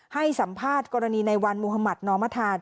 ให้สัมภาษณ์กรณีในวันมุธมัธนอมธาน